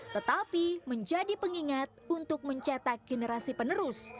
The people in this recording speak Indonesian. tetapi menjadi pengingat untuk mencetak generasi penerus